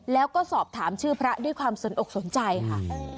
แล้วก็สอบถามชื่อพระด้วยความสนอกสนใจค่ะ